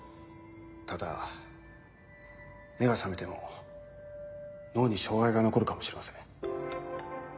ただ目が覚めても脳に障害が残るかもしれません。